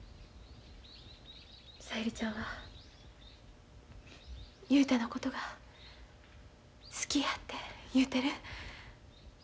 小百合ちゃんは雄太のことが好きやて言うてる。